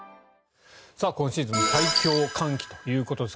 今シーズン最強寒気ということです。